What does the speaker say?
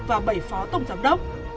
và bảy phó tổng giám đốc